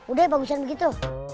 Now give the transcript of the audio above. udah ya bagusan begitu